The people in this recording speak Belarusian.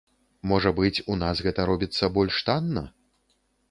Можа быць, у нас гэта робіцца больш танна?